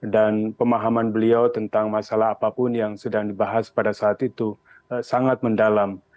dan pemahaman beliau tentang masalah apapun yang sedang dibahas pada saat itu sangat mendalam